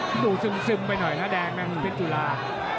หนูซึมไปหน่อยนะแดงมันเป็นจุฬา